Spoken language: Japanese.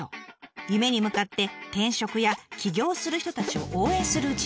夢に向かって転職や起業をする人たちを応援するうちに。